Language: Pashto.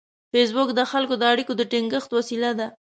فېسبوک د خلکو د اړیکو د ټینګښت وسیله ده